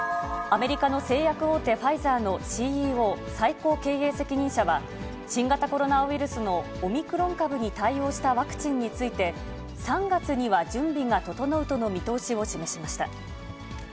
アメリカの製薬大手、ファイザーのＣＥＯ・最高経営責任者は、新型コロナウイルスのオミクロン株に対応したワクチンについて、３月には準備が整うとの見通しを示しました。